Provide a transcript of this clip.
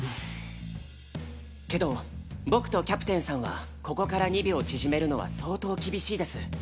けど僕とキャプテンさんはここから２秒縮めるのは相当厳しいです。